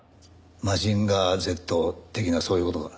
『マジンガーＺ』的なそういう事か。